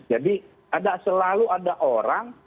ada selalu ada orang